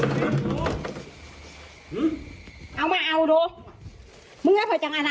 มองตาหาเข้าอยู่เอาเฮาล่ะ